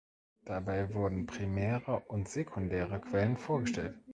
Dabei wurden primäre und sekundäre Quellen vorgestellt.